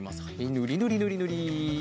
ぬりぬりぬりぬり。